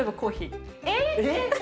えっ。